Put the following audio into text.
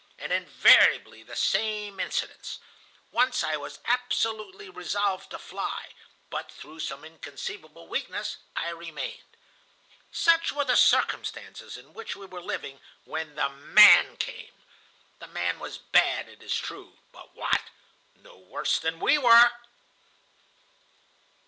And invariably the same incidents. Once I was absolutely resolved to fly, but through some inconceivable weakness I remained. "Such were the circumstances in which we were living when the man came. The man was bad, it is true. But what! No worse than we were."